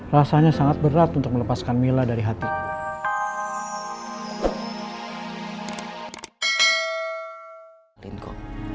rasanya sangat berat untuk melepaskan mila dari hatinya